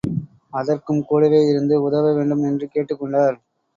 அதற்கும் கூடவே இருந்து உதவ வேண்டும் என்றும் கேட்டுக் கொண்டார்.